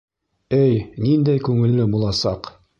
— Эй, ниндәй күңелле буласаҡ.